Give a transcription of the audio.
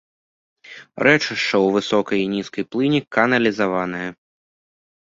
Рэчышча ў высокай і нізкай плыні каналізаванае.